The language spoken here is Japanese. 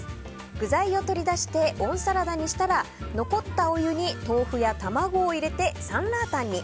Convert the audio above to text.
具材を取り出して温サラダにしたら残ったお湯に、豆腐や卵を入れてサンラータンに。